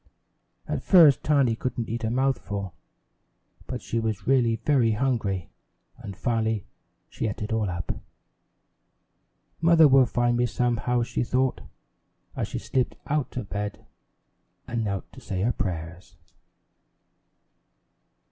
At first Tiny couldn't eat a mouthful, but she was really very hungry, and finally she ate it all up. "Mother will find me somehow," she thought, as she slipped out of bed and knelt to say her prayers.